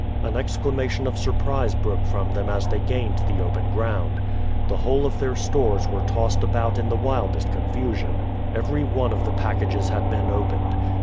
An exclamation of surprise broke from them as they gained the open ground. The whole of their stores were tossed about in the wildest confusion. Everyone of the packages had been opened.